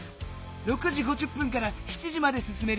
６時５０分から７時まですすめるよ。